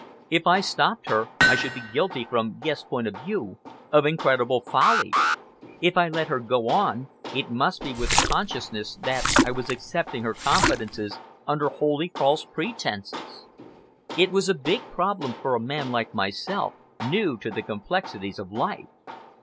If I stopped her, I should be guilty, from Guest's point of view, of incredible folly; if I let her go on, it must be with the consciousness that I was accepting her confidences under wholly false pretences. It was a big problem for a man like myself, new to the complexities of life.